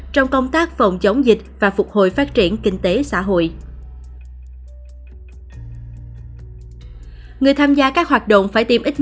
trong công tác phòng chống dịch và phục hồi phát triển kinh tế xã hội